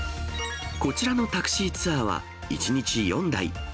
こちらのタクシーツアーは１日４台。